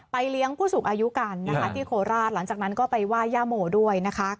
ไปเลี้ยงผู้สูงอายุกันที่โคราชหลังจากนั้นก็ไปว่าย่าโหมด้วย